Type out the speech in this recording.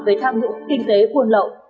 về tham nhũng kinh tế buồn lậu